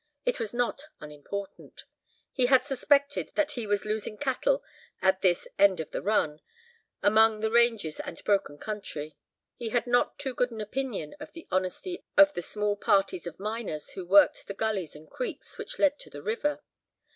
It was not unimportant. He had suspected that he was losing cattle at this "end of the run," among the ranges and broken country. He had not too good an opinion of the honesty of the small parties of miners who worked the gullies and creeks which led to the river.